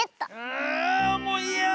あもういやだ！